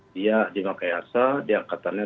dia di makayasa diangkatannya